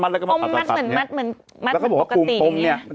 มัดเหมือนปกติอย่างนี้